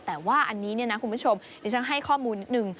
แต่ว่าอันนี้นะคุณผู้ชมนี่ฉันให้ข้อมูลนิดหนึ่ง